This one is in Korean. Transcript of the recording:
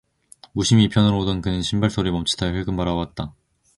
무심히 이편으로 오던 그는 신발 소리에 멈칫하며 흘금 바라보았다.